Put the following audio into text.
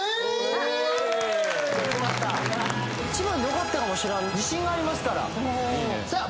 １番でよかったかもしらん自信がありますからさあ